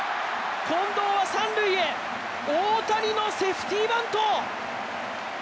近藤は三塁へ大谷のセーフティバント。